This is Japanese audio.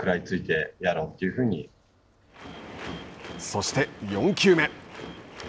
そして、４球目。